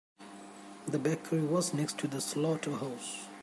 The bakery was next to the slaughterhouse.